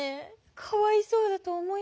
かわいそうだと思いませんか？